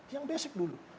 yang basic dulu